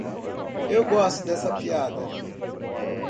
Eu gosto dessa piada.